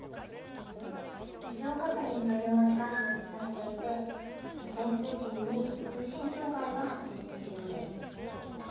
異常確認という文字が表示されていて無線通信に通信障害が発生しているようです。